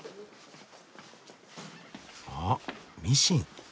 あミシン。